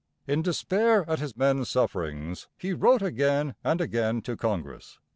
In despair at his men's sufferings, he wrote again and again to Congress.